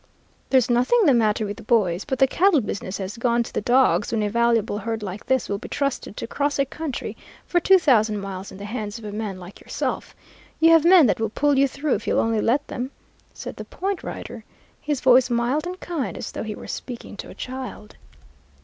"'There's nothing the matter with the boys, but the cattle business has gone to the dogs when a valuable herd like this will be trusted to cross a country for two thousand miles in the hands of a man like yourself. You have men that will pull you through if you'll only let them,' said the point rider, his voice mild and kind as though he were speaking to a child.